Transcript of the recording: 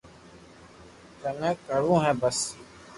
تنو ڪروہ ھي بس